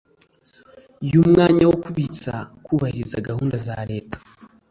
yumwanya wo kubibutsa kubahiriza gahunda za Leta